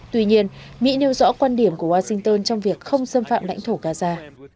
tuy nhiên mỹ nêu rõ quan điểm của washington trong việc không xâm phạm lãnh thổ gaza